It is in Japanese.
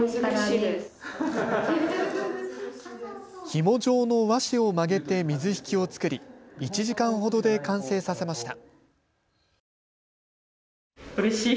ひも状の和紙を曲げて水引を作り１時間ほどで完成させました。